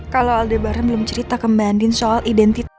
kalau aldebaran belum cerita ke bandin soal identitas